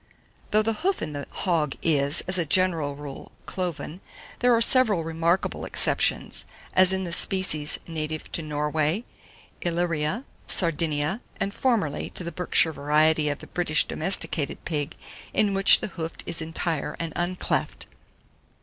768. THOUGH THE HOOF IN THE HOG is, as a general rule, cloven, there are several remarkable exceptions, as in the species native to Norway, Illyria, Sardinia, and formerly to the Berkshire variety of the British domesticated pig, in which the hoof is entire and _un_cleft.